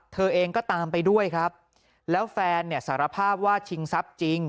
เธอเองก็ตามไปด้วยครับแล้วแฟนเนี่ยสารภาพว่าชิงทรัพย์จริง